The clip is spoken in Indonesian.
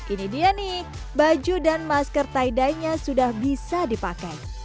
ini dia nih baju dan masker tie dye nya sudah bisa dipakai